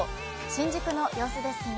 新宿の様子です。